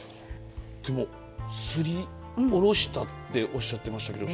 でも、すりおろしたっておっしゃってましたけど